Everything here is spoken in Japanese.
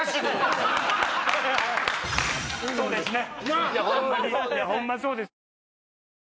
そうですね。